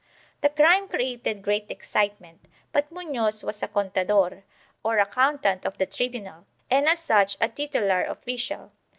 The crime created great excitement, but Munoz was a contador, or account ant of the tribunal, and as such a titular official.